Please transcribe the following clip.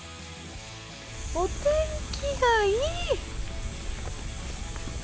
お天気がいい！